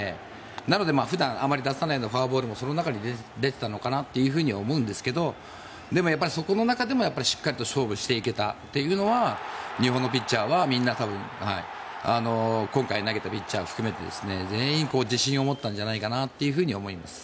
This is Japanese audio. なので普段あまり出さないようなフォアボールもその中に出ていたのかなと思うんですがでも、そこの中でもしっかりと勝負していけたのは日本のピッチャーはみんな今回、投げたピッチャーを含めて全員、自信を持ったんじゃないかなと思います。